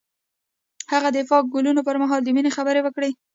هغه د پاک ګلونه پر مهال د مینې خبرې وکړې.